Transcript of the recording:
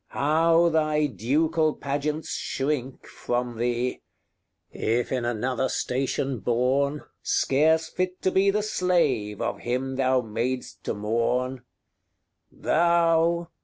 how thy ducal pageants shrink From thee! if in another station born, Scarce fit to be the slave of him thou mad'st to mourn: XXXVIII. THOU!